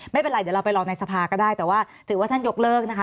ไม่เป็นไรเดี๋ยวเราไปรอในสภาก็ได้แต่ว่าถือว่าท่านยกเลิกนะคะ